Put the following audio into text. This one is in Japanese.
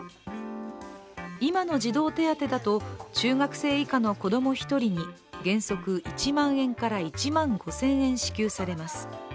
今の児童手当だと、中学生以下の子供１人に原則１万円から１万５０００円支給されます。